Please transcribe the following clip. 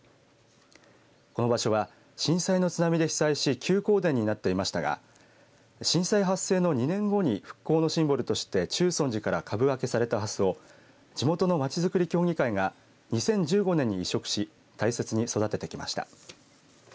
この場所は震災の津波で被災し休耕田になっていましたが震災発生の２年後に復興のシンボルとして中尊寺から株分けされたハスを地元のまちづくり協議会が２０１５年に移植し大切に育ててきました。